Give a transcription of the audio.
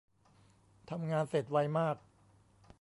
ทำงานเสร็จไวมาก